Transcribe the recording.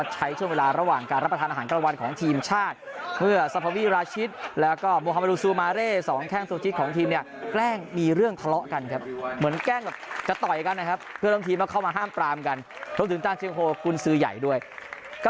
ฉะนั้นถ้าถ่ายอินโดไม่ได้ก็ไม่รู้จะว่ายังไงนะ